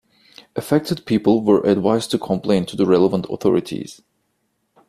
Affected people were advised to complain to the relevant authorities.